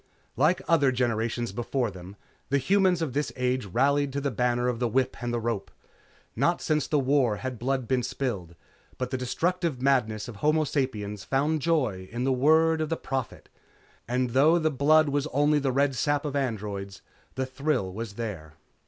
Like other generations before them, the humans of this age rallied to the banner of the whip and the rope. Not since the War had blood been spilled, but the destructive madness of homo sapiens found joy in the word of the Prophet, and though the blood was only the red sap of androids, the thrill was there.